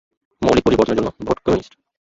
মৌলিক পরিবর্তনের জন্য, ভোট কমিউনিস্ট।